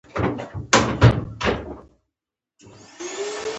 پیرودونکی تل د ښه خدمت تمه لري.